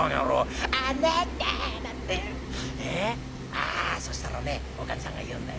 ああそしたらねおかみさんが言うんだよ。